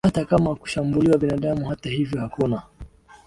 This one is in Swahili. hata kama kushambulia binadamu Hata hivyo hakuna